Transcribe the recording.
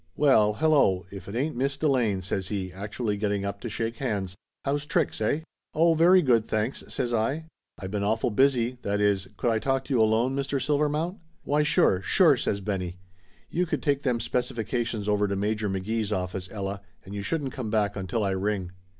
"Well, hello, if it ain't Miss Delane!" says he, actu ally getting up to shake hands. "How's tricks, eh ?" "Oh, very good, thanks," says I. "I been awful busy that is, I could I talk to you alone, Mr. Silver mount ?" "Why, sure! Sure!" says Benny. "You could take them specifications over to Major McGee's office, Ella, and you shouldn't come back until I ring."